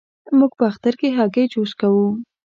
موږ په اختر کې هګی جوش کوو.